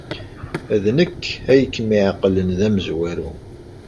D nekk ay kem-iɛeqlen d amezwaru.